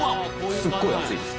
すっごい熱いです